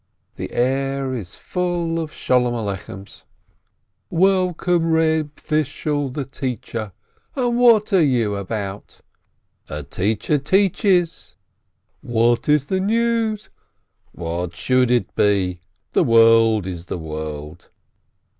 The air is full of Sholom Alechems, "Welcome, Reb Fishel the teacher, and what are you about?" — "A teacher teaches !"— "What is the news?"— "What should it be? The world is the world